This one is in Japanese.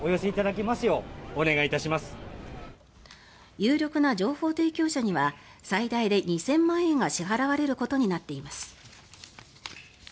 有力な情報提供者には最大で２０００万円が支払われることになっています。